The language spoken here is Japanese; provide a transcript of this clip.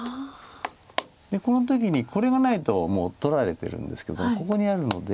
この時にこれがないともう取られてるんですけどここにあるので。